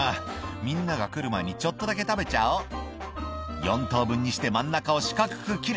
「みんなが来る前にちょっとだけ食べちゃおう」「４等分にして真ん中を四角く切る」